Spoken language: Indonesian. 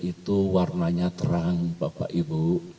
itu warnanya terang bapak ibu